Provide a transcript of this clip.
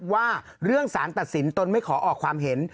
ว่าเรื่องสารตัดสินตนไม่ขอออกความเห็น